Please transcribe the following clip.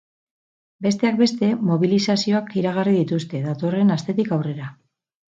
Besteak beste, mobilizazioak iragarri dituzte, datorren astetik aurrera.